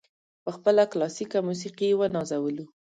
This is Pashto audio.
په خپله کلاسیکه موسیقي یې ونازولو.